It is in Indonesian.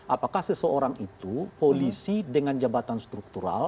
apakah seseorang itu polisi dengan jabatan struktural